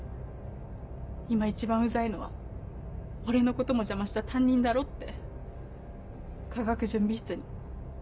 「今一番ウザいのは俺のことも邪魔した担任だろ？」って化学準備室に。